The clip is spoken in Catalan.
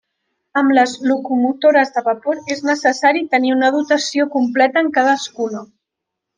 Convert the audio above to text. Amb les locomotores de vapor és necessari tenir una dotació completa en cadascuna.